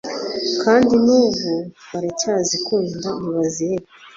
kandi n ubu baracyazikunda ntibazireka